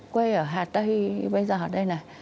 quê ở hà tây bây giờ ở đây này